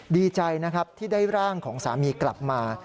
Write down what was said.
ดีใจนะครับที่ได้ร่างของสามีกลับมา